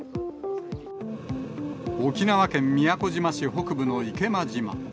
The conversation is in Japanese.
沖縄県宮古島市北部の池間島。